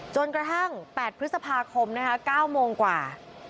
จนกระทั่ง๘พฤษภาคมนะคะ๙โมงกว่า